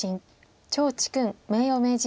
趙治勲名誉名人門下。